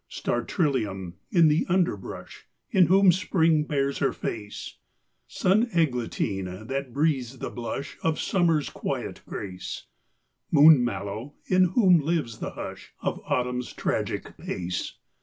Star trillium, in the underbrush, In whom Spring bares her face; Sun eglantine, that breathes the blush Of Summer's quiet grace; Moon mallow, in whom lives the hush Of Autumn's tragic pace.